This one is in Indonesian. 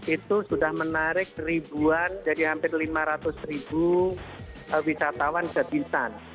itu sudah menarik ribuan jadi hampir lima ratus ribu wisatawan ke bintan